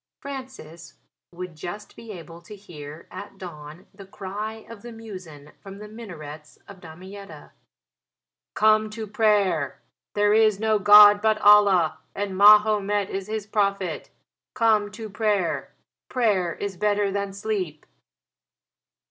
Francis would just be able to hear at dawn the cry of the muezzin from the minarets of Damietta, "Come to prayer: there is no God but Allah and Mahomet is his prophet. Come to prayer. Prayer is better than sleep."